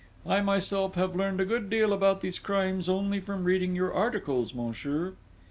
I myself have learned a good deal about these crimes only from reading your articles, monsieur."